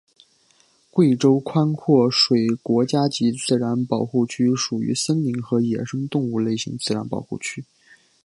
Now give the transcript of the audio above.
贵州宽阔水国家级自然保护区属于森林和野生动物类型自然保护区。